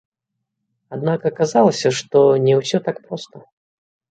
Аднак аказалася, што не ўсё так проста.